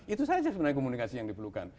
itu saja sebenarnya komunikasi yang diperlukan